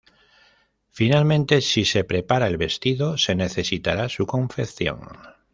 Finalmente si se prepara el vestido se necesitará su confección.